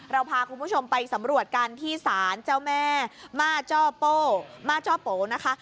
เราพาคุณผู้ชมไปสำรวจกันที่ศาลเจ้าแม่ม่าจ้อโป้ม่าจ้อโปนะคะ